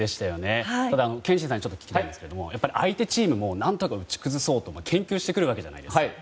ただ、憲伸さんに聞きたいんですけど相手チームも何とか打ち崩そうと研究してくるわけじゃないですか。